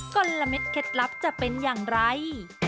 ลมเด็ดเคล็ดลับจะเป็นอย่างไร